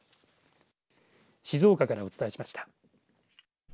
静岡からお伝えしました。